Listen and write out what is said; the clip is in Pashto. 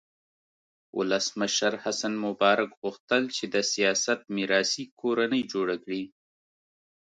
ولسمشر حسن مبارک غوښتل چې د سیاست میراثي کورنۍ جوړه کړي.